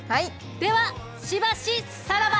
ではしばしさらば。